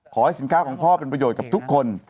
ขอให้สินค้าของพ่อเป็นประโยชน์กับทุกคน